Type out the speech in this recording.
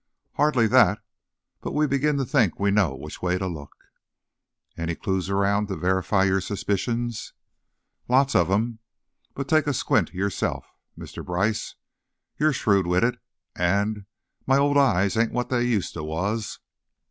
"Hardly that, but we begin to think we know which way to look." "Any clews around, to verify your suspicions?" "Lots of 'em. But take a squint yourself, Mr. Brice. You're shrewd witted, and my old eyes ain't what they used to was."